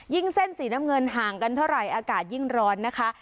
เส้นสีน้ำเงินห่างกันเท่าไหร่อากาศยิ่งร้อนนะคะ